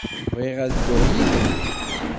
Bɣiɣ ad dduɣ yid-m.